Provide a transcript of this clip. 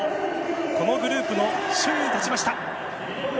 このグループの首位に立ちました。